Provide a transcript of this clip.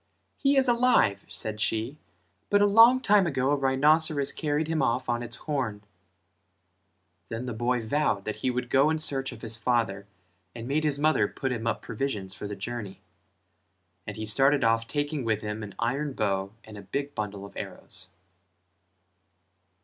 "He is alive" said she "but a long time ago a rhinoceros carried him off on its horn." Then the boy vowed that he would go in search of his father and made his mother put him up provisions for the journey; and he started off taking with him an iron bow and a big bundle of arrows.